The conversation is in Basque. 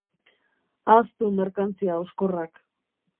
Ahaztu merkantzia hauskorrak.